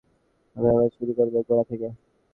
আমি আবার শুরু করব, গোড়া থেকে!